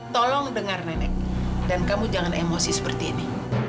tolong dengar nenek dan kamu jangan emosi seperti ini